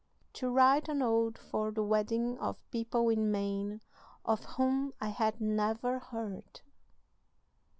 "To write an ode for the wedding of people in Maine, of whom I had never heard.